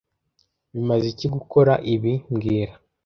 Bimaze iki gukora ibi mbwira